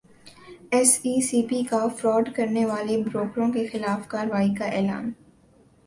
S E C P کا fraud کرنیوالے بروکروں کیخلاف کارروائی کا اعلان